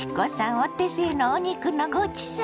お手製のお肉のごちそう！